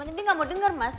jadi kamu dengar mas